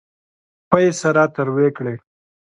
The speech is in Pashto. پۍ یې سره تروې کړې.